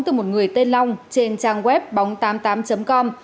từ một người tên long trên trang web bóng tám mươi tám com